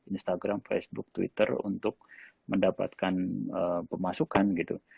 instagram facebook twitter untuk mendapatkan pemasukan gitu